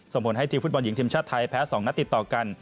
ส่งผลให้ทีมฟุตบอลหญิงทีมชาติไทยแพ้๒นัดติดต่อกัน